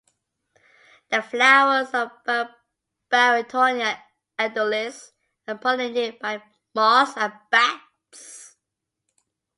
The flowers of "Barringtonia edulis" are pollinated by moths and bats.